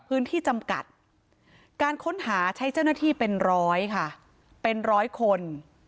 จำกัดการค้นหาใช้เจ้าหน้าที่เป็นร้อยค่ะเป็นร้อยคน